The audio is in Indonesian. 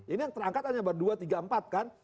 ini yang terangkat hanya berdua tiga empat kan